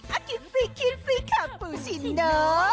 อ่ะกินซิกินซิคาปูชิโน